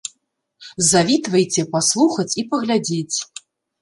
Завітвайце паслухаць і паглядзець!